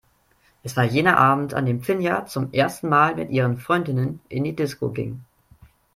Es war jener Abend, an dem Finja zum ersten Mal mit ihren Freundinnen in die Disco ging.